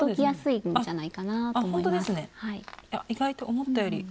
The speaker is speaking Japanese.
意外と思ったより。